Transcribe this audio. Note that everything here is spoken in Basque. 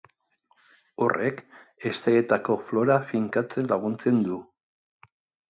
Horrek hesteetako flora finkatzen laguntzen du.